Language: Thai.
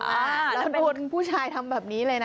แล้วโดนผู้ชายทำแบบนี้เลยนะ